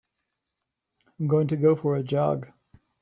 I'm going to go for a jog.